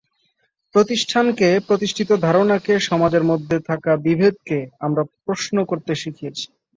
প্রতিষ্ঠানকে, প্রতিষ্ঠিত ধারণাকে, সমাজের মধ্যে থাকা বিভেদকে আমরা প্রশ্ন করতে শিখিয়েছি।